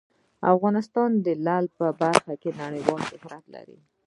افغانستان د لعل په برخه کې نړیوال شهرت لري.